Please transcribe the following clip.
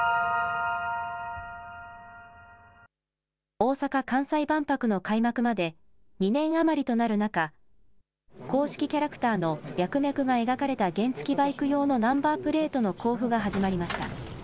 大阪・関西万博の開幕まで２年余りとなる中、公式キャラクターのミャクミャクが描かれた原付きバイク用のナンバープレートの交付が始まりました。